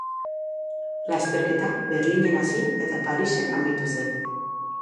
Lasterketa Berlinen hasi eta Parisen amaitu zen.